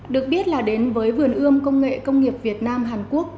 được biết là đến với vườn ươm công nghệ công nghiệp việt nam hàn quốc